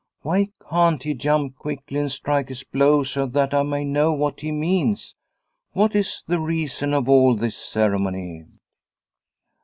" Why can't he jump quickly and strike his blow so that I may know what he means? What is the reason of all this cere mony